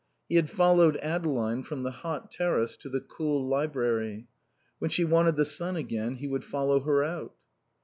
He had followed Adeline from the hot terrace to the cool library. When she wanted the sun again he would follow her out.